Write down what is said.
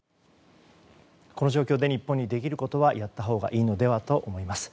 この状況で日本にできることはやったほうがいいのではと思います。